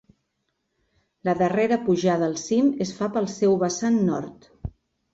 La darrera pujada al cim es fa pel seu vessant nord.